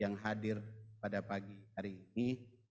yang hadir pada pagi hari ini